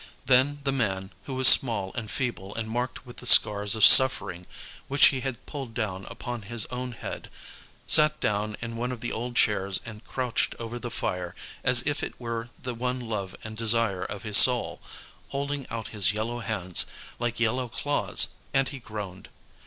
Then the man, who was small and feeble and marked with the scars of suffering which he had pulled down upon his own head, sat down in one of the old chairs and crouched over the fire as if it were the one love and desire of his soul, holding out his yellow hands like yellow claws, and he groaned.